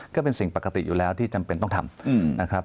ก็เป็นสิ่งปกติอยู่แล้วที่จำเป็นต้องทำนะครับ